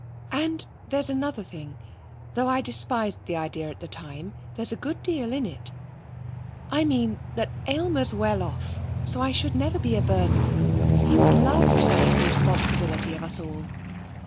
And there's another thing though I despised the idea at the time, there's a good deal in it. I mean that Aylmer's well off, so I should never be a burden. He would love to take the responsibility of us all.